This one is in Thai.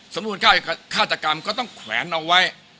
สำนวนฆาตกรรมก็ต้องแขวนเอาไว้